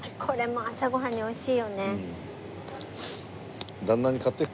これも朝ご飯に美味しいよね。